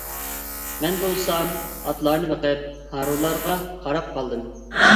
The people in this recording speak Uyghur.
مەن بولسام، ئاتلارنى بېقىپ، ھارۋىلارغا قاراپ قالدىم.